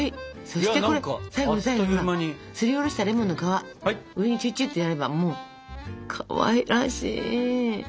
そしてこれ最後の最後にさすりおろしたレモンの皮上にちゅちゅっとやればもうかわいらしい！